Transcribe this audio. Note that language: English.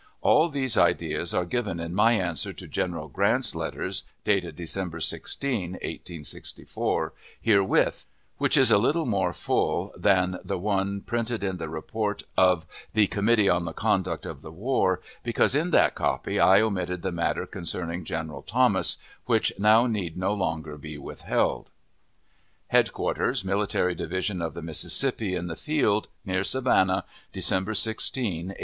All these ideas are given in my answer to General Grant's letters (dated December 16, 1864) herewith, which is a little more full than the one printed in the report of the Committee on the Conduct of the War, because in that copy I omitted the matter concerning General Thomas, which now need no longer be withheld: HEADQUARTERS MILITARY DIVISION OF THE MISSISSIPPI, IN THE FIELD, NEAR SAVANNAH, December 16, 1864.